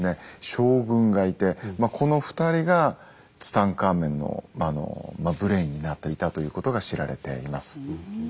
将軍がいてこの２人がツタンカーメンのブレインになっていたということが知られています。